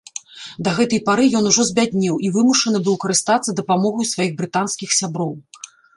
Да гэтай пары ён ужо збяднеў і вымушаны быў карыстацца дапамогаю сваіх брытанскіх сяброў.